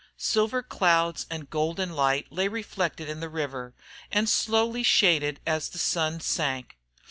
Silver clouds and golden light lay reflected in the river, and slowly shaded as the sun sank.